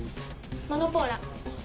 モノポーラ。